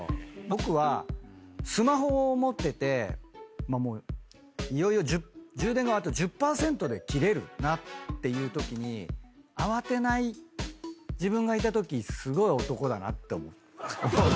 僕はスマホを持ってていよいよ充電があと１０％で切れるなっていうときに慌てない自分がいたときすごい男だなって思う。